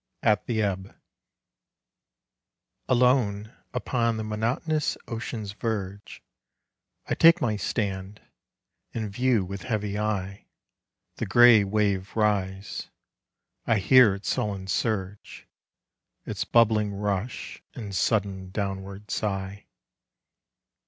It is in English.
AT THE EBB Alone upon the monotonous ocean's verge I take my stand, and view with heavy eye The grey wave rise. I hear its sullen surge, Its bubbling rush and sudden downward sigh....